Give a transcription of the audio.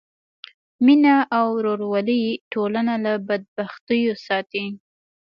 مینه او ورورولي ټولنه له بدبختیو ساتي.